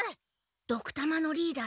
ドクたまのリーダー